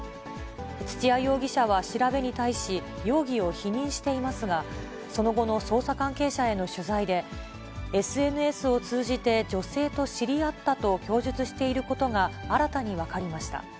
土屋容疑者は調べに対し容疑を否認していますが、その後の捜査関係者への取材で、ＳＮＳを通じて女性と知り合ったと供述していることが、新たに分かりました。